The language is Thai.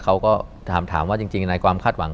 เขาก็ถามว่าจริงในความคาดหวัง